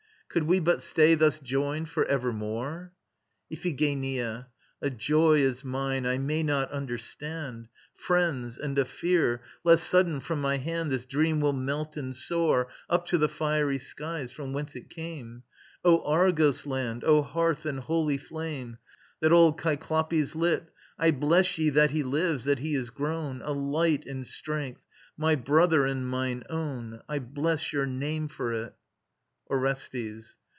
Could we but stay thus joined for evermore! IPHIGENIA. A joy is mine I may not understand, Friends, and a fear, lest sudden from my hand This dream will melt and soar Up to the fiery skies from whence it came. O Argos land, O hearth and holy flame That old Cyclopes lit, I bless ye that he lives, that he is grown, A light and strength, my brother and mine own; I bless your name for it. ORESTES.